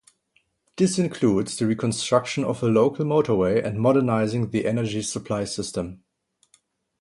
This includes the reconstruction of a local motorway and modernizing the energy supply system.